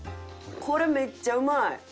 これめっちゃうまい！